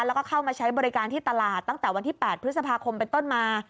แล้วก็เข้ามาใช้บริการที่ตลาดตั้งแต่วันที่๘พฤษภาคมเป็นต้นมา